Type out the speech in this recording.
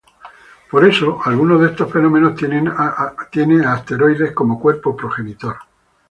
Por eso, alguno de estos fenómenos tiene a asteroides como cuerpo progenitor.